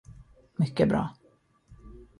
Mycket bra.